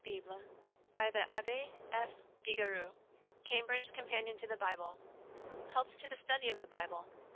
Bible, by the Abbe F. Vigouroux. Cambridge Companion to the Bible. Helps to the Study of the Bible.